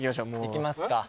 行きますか。